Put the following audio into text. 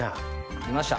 出来ました。